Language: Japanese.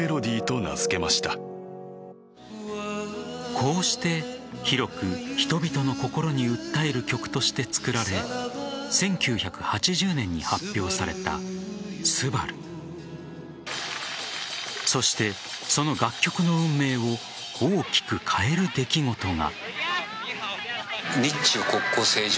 こうして、広く人々の心に訴える曲として作られ１９８０年に発表された「昴」そして、その楽曲の運命を大きく変える出来事が。